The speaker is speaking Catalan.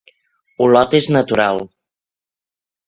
Olot és natural.